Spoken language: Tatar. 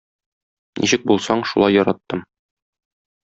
Ничек булсаң шулай яраттым.